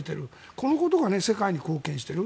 このことが世界に貢献してる。